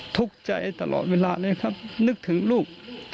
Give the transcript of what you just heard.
ทุกข์ใจตลอดเวลาเลยครับนึกถึงลูก